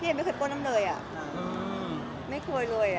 พี่เอ๊ยไม่เคยป้นน้ำเลยอ่ะไม่ควรเลยอ่ะ